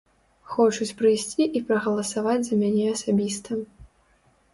Хочуць прыйсці і прагаласаваць за мяне асабіста.